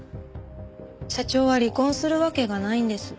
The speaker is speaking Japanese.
社長は離婚するわけがないんです。